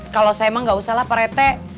kalau saya emang gak usah lah parete